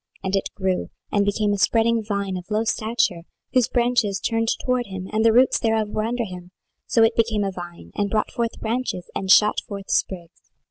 26:017:006 And it grew, and became a spreading vine of low stature, whose branches turned toward him, and the roots thereof were under him: so it became a vine, and brought forth branches, and shot forth sprigs.